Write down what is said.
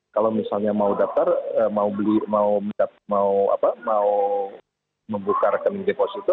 kalau misalnya mau daftar mau membuka rekening deposito